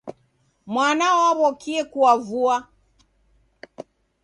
Mwana waw'okie kuavua.